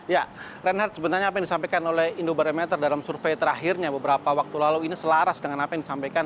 ya reinhardt sebenarnya apa yang disampaikan oleh indobarometer dalam survei terakhirnya beberapa waktu lalu ini selaras dengan apa yang disampaikan